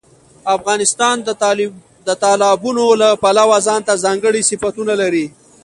افغانستان د تالابونو له پلوه ځانته ځانګړي صفتونه لري.